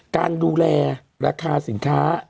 การดูแลราคาสินค้า